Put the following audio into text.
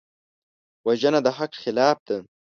وژنه د حق خلاف ده